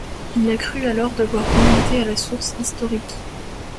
Il a cru alors devoir remonter à la source historique.